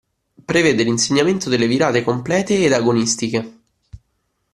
Prevede l'insegnamento delle virate complete ed agonistiche.